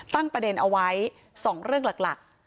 ประเด็นเอาไว้๒เรื่องหลัก